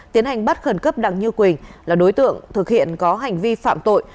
tiến hành bắt khẩn cấp đặng như quỳnh là đối tượng thực hiện có hành vi phạm tội